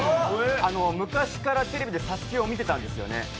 昔からテレビで「ＳＡＳＵＫＥ」を見てたんですよね。